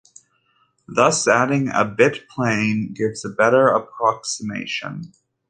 Thus, adding a bit plane gives a better approximation.